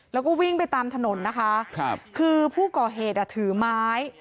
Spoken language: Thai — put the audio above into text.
แล้วก็วิ่งไปตามถนนนะคะครับคือผู้ก่อเหตุอ่ะถือไม้